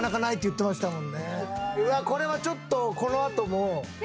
うわこれはちょっとこのあとも。